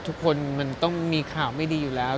ทุกคนมันต้องมีข่าวไม่ดีอยู่แล้ว